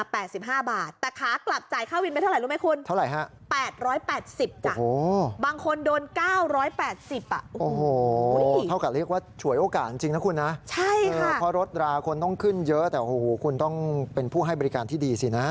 เพราะรถราคนต้องขึ้นเยอะแต่คุณต้องเป็นผู้ให้บริการที่ดีสินะ